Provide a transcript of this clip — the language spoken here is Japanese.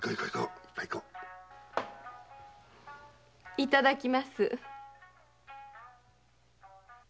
いただきます。